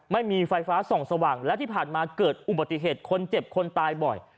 ไม่มีไฟฟ้าส่องสว่างและที่ผ่านมาเกิดอุบัติเหตุคนเจ็บคนตายบ่อย